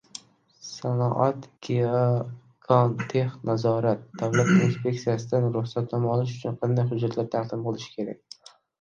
“Sanoatgeokontexnazorat” davlat inspektsiyasidan ruxsatnoma olish uchun qanday xujjatlar taqdim qilish kerak?